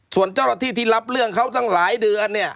ส่วนเจ้าหน้าที่ที่รับเรื่องเขาตั้งหลายเดือนเนี่ย